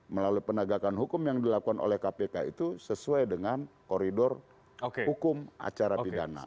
melalui penegakan hukum yang dilakukan oleh kpk itu sesuai dengan koridor hukum acara pidana